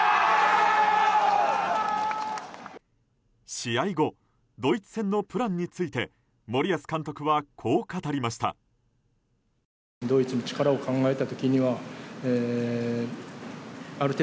試合後ドイツ戦のプランについて森保監督は、こう語りました。